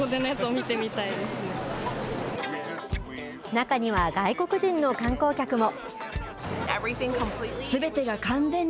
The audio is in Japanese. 中には、外国人の観光客も。